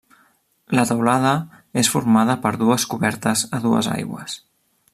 La teulada és formada per dues cobertes a dues aigües.